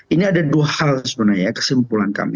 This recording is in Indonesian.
ini ada dua hal sebenarnya kesimpulan kami